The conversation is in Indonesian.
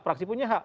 praksi punya hak